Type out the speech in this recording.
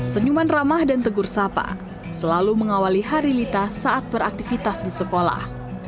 senyuman ramah dan tegur sapa selalu mengawali hari lita saat beraktivitas di sekolah